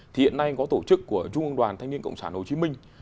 thì hiện nay có tổ chức của trung ương đoàn thanh niên cộng sản hồ chí minh